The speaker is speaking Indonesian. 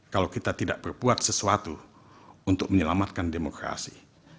kalau kita tidak berbuat sesuatu untuk menyelamatkan demokrasi